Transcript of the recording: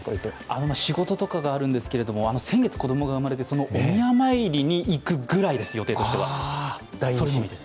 仕事とかがあるんですけど、先月子供が生まれてそのお宮参りに行くぐらいです、予定としては。